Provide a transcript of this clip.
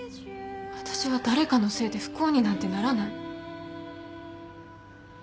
私は誰かのせいで不幸になんてならない。